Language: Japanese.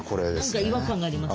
何か違和感があります。